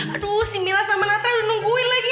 aduh si mila sama natre udah nungguin lagi